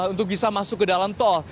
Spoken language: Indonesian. untuk bisa masuk ke dalam tol